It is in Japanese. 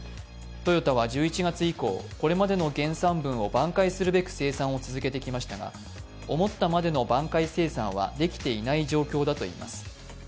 トヨタは１２月以降これまでの減産分を挽回すべく生産を続けてきましたが、思ったまでの挽回生産はできていない状況だといいます。